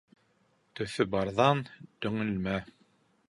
Төҫө барҙан төңөлмә